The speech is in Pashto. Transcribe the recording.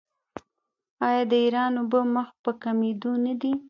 آیا د ایران اوبه مخ په کمیدو نه دي؟